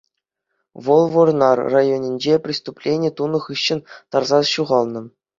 Вӑл Вӑрнар районӗнче преступлени тунӑ хыҫҫӑн тарса ҫухалнӑ.